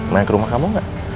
main ke rumah kamu nggak